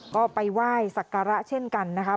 ก็ไปไหว้ศักระเช่นกันนะคะ